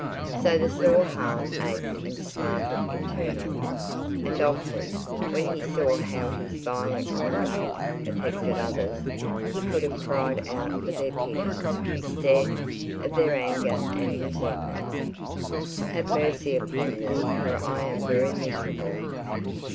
So the sore heart ached and smarted intensely; and often, when he saw how his violent conduct affected others, he could have cried out for their pity, instead of their anger and resentment: "Have mercy upon me, for I am very miserable."